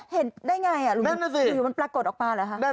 เห็นได้อย่างไรลูกหนุ่มหรือมันปรากฏออกมาหรือครับ